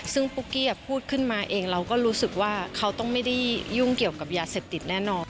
ซึ่งปุ๊กกี้พูดขึ้นมาเองเราก็รู้สึกว่าเขาต้องไม่ได้ยุ่งเกี่ยวกับยาเสพติดแน่นอน